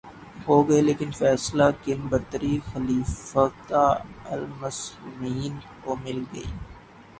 ہوگئے لیکن فیصلہ کن برتری خلیفتہ المسلمین کو مل گئ